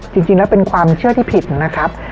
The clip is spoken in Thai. จริงแล้วเป็นความเชื่อที่ผิดนะครับ